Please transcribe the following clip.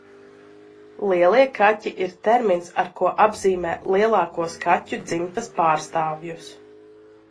Lielie kaķi ir termins, ar ko apzīmē lielākos kaķu dzimtas pārstāvjus.